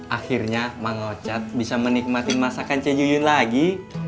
akhirnya mang ocat bisa menikmati masakan cik yuyun lagi